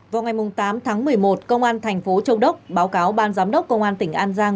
vào ngày tám tháng một mươi một công an thành phố châu đốc báo cáo ban giám đốc công an tỉnh an giang